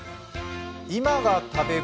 「今が食べ頃！